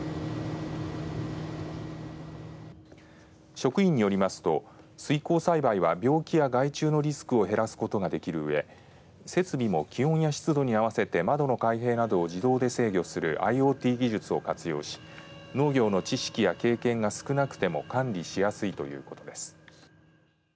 職員よりますと水耕栽培は病気や害虫のリスクを減らすことができるうえ設備も気温や湿度に合わせて窓の開閉などを自動で制御するＩｏＴ技術を活用し農業の知識や経験が少なくても管理しやすいということです。